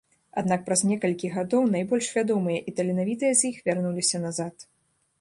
Аднак праз некалькі гадоў найбольш вядомыя і таленавітыя з іх вярнуліся назад.